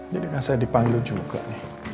jadi kan saya dipanggil juga nih